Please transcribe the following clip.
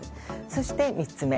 そして、３つ目。